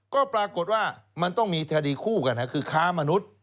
ก็ปรากฏว่ามันต้องมีคดีคู่กันคือค้ามนุษย์